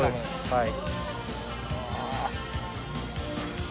はい。